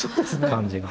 感じが。